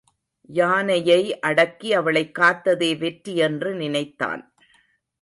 யானையை அடக்கி அவளைக் காத்ததே வெற்றி என்று நினைத்தான்.